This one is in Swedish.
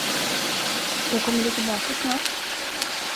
Och kommer du tillbaka snart?